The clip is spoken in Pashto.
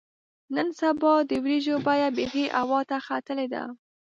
نن سبا د وریجو بیه بیخي هوا ته ختلې ده.